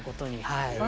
はい。